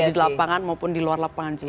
di lapangan maupun di luar lapangan juga